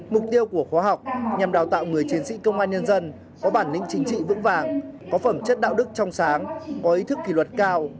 mục tiêu của khóa học nhằm đào tạo người chiến sĩ công an nhân dân có bản lĩnh chính trị vững vàng có phẩm chất đạo đức trong sáng có ý thức kỷ luật cao